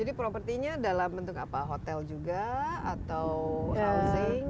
jadi property nya dalam bentuk apa hotel juga atau housing